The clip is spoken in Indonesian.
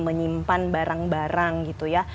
menyimpan barang barang gitu ya